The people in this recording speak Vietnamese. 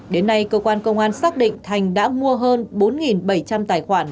đến nay cơ quan công an xác định thành đã mua hơn bốn bảy trăm linh tài khoản